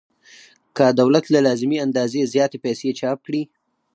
که دولت له لازمې اندازې زیاتې پیسې چاپ کړي